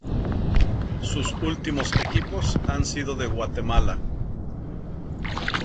Sus últimos equipos han sido de Guatemala.